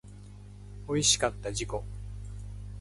おいしかった自己